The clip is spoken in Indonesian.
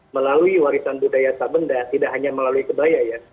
melalui warisan budaya sabenda tidak hanya melalui kebaya ya